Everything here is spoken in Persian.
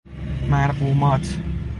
مرقومات